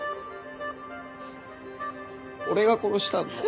俺が殺したんだ。